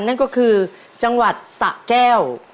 นั่นก็คือจังหวัดสะแก้ว